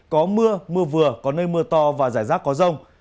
có mưa mưa vừa có nơi mưa to và rải rác có rông